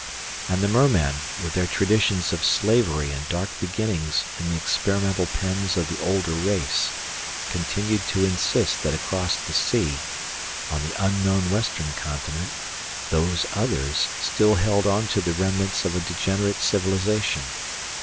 And the mermen, with their traditions of slavery and dark beginnings in the experimental pens of the older race, continued to insist that across the sea on the unknown western continent Those Others still held onto the remnants of a degenerate civilization.